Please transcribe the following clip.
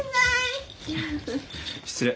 失礼。